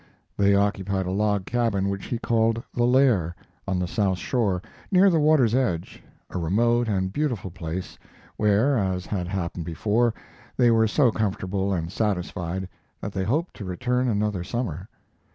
They occupied a log cabin which he called "The Lair," on the south shore, near the water's edge, a remote and beautiful place where, as had happened before, they were so comfortable and satisfied that they hoped to return another summer.